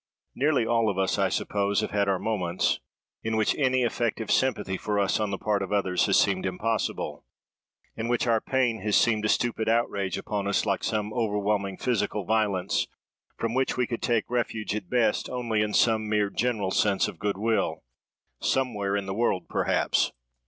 Nearly all of us, I suppose, have had our moments, in which any effective sympathy for us on the part of others has seemed impossible; in which our pain has seemed a stupid outrage upon us, like some overwhelming physical violence, from which we could take refuge, at best, only in some mere general sense of goodwill—somewhere in the world perhaps.